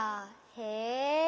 へえ。